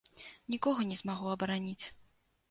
Нікога не змагу абараніць.